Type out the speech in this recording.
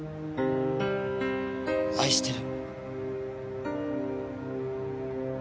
愛してる。